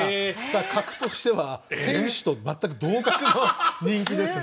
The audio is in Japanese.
格としては選手とまったく同格の人気ですね。